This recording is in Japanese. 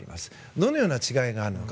どのような違いがあるのか。